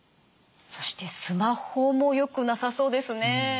そしてスマホもよくなさそうですね。